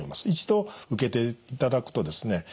一度受けていただくとですね